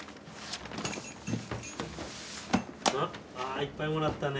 ああいっぱいもらったね。